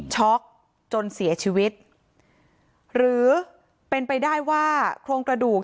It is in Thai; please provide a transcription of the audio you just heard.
จนเสียชีวิตหรือเป็นไปได้ว่าโครงกระดูก